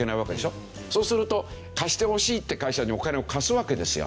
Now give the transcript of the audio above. そうすると貸してほしいって会社にお金を貸すわけですよ。